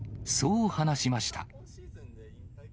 そう話しました。